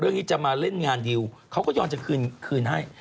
เรื่องนี้จะมาเล่นงานดิวเขาก็ยอดจะคืนให้